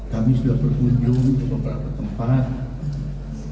kami sudah berkunjung ke beberapa tempat